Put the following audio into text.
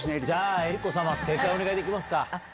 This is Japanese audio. じゃあ、江里子様、正解をお願いできますか？